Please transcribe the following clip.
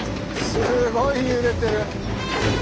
すごい揺れてる！